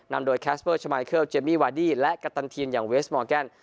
นำโดยแคสเวอร์ชมายเคิลเจมมี่วาดี้และกัปตันทีมอย่างเวสมอร์แกน